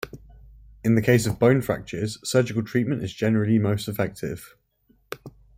In the case of bone fractures, surgical treatment is generally the most effective.